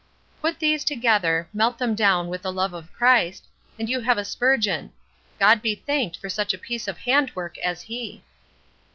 "Put these together, melt them down with the love of Christ, and you have a Spurgeon. God be thanked for such a piece of hand work as he!"